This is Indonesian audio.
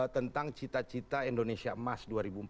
tentang cita cita indonesia emas dua ribu empat puluh